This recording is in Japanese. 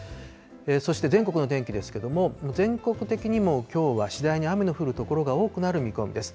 そして全国の天気ですけれども、全国的にも、きょうは次第に雨の降る所が多くなる見込みです。